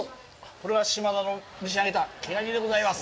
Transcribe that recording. これが嶋田の蒸し上げた毛ガニでございます。